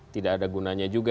tidak ada gunanya juga